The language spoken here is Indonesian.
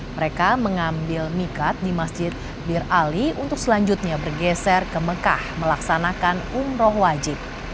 mereka mengambil mikat di masjid bir ali untuk selanjutnya bergeser ke mekah melaksanakan umroh wajib